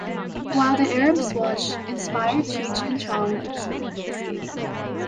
While the Arabs watch, inspired, Cheech and Chong escape.